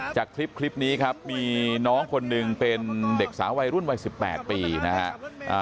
จากคลิปนี้ครับมีน้องคนหนึ่งเป็นเด็กสาววัยรุ่นวัย๑๘ปีนะฮะ